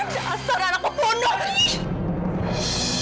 dasar anak pembunuh